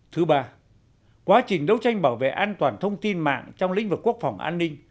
thứ ba quá trình đấu tranh bảo vệ an toàn thông tin mạng trong lĩnh vực quốc phòng an ninh